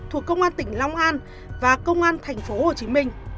thuộc công an tỉnh long an và công an thành phố hồ chí minh